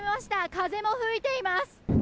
風も吹いています。